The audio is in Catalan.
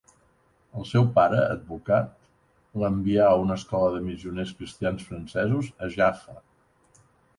El seu pare, advocat, l'envià a una escola de missioners cristians francesos a Jaffa.